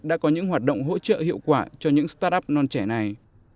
đã có những hoạt động hỗ trợ hiệu quả cho những start up non trẻ này